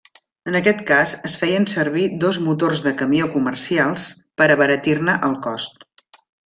En aquest cas es feien servir dos motors de camió comercials per abaratir-ne el cost.